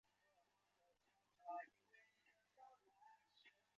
格拉夫林格是德国巴伐利亚州的一个市镇。